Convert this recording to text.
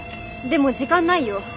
でも時間ないよ？